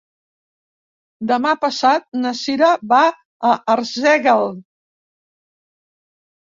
Demà passat na Cira va a Arsèguel.